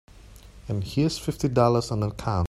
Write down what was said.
And here's fifty dollars on account.